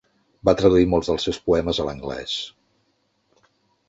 Va traduir molts dels seus poemes a l'anglès.